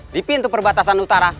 di pintu perbatasan utara